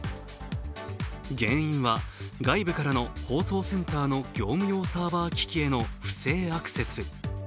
原因は外部からの放送センターの業務用サーバー機器への不正アクセス。